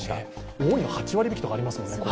多いのは８割引きとかありますものね。